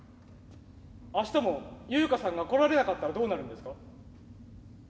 明日もユウカさんが来られなかったらどうなるんですか？